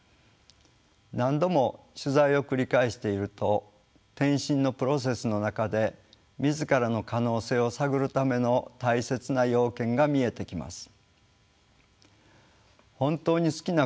何度も取材を繰り返していると転身のプロセスの中で自らの可能性を探るための大切な要件が見えてきます。